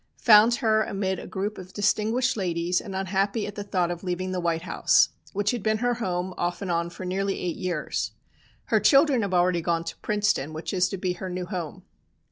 Found her amid a group of distinguished ladies, and unhappy at the thought of leaving the White House, which had been her home off and on for nearly eight years. Her children have already gone to Princeton, which is to be her new home.